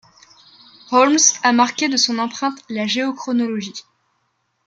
Holmes a marqué de son empreinte la géochronologie.